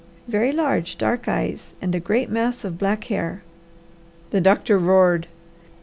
"Very large, dark eyes, and a great mass of black hair." The doctor roared.